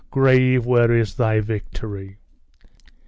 Grave, where is thy victory?"